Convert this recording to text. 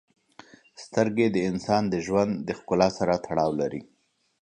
• سترګې د انسان د ژوند د ښکلا سره تړاو لري.